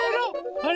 あれ？